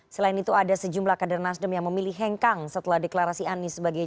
dua ribu dua puluh empat selain itu ada sejumlah kader nasdem yang memilih hengkang setelah deklarasi anies sebagai